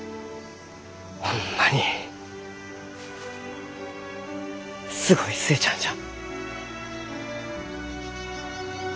ホンマにすごい寿恵ちゃんじゃ。